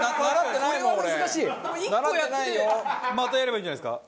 １個やってまたやればいいんじゃないんですか？